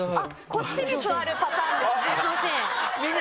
こっちに座るパターンですね。